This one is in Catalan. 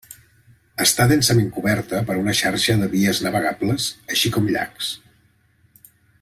Està densament coberta per una xarxa de vies navegables, així com llacs.